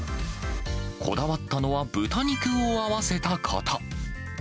こだわったのは豚肉を合わせたこと。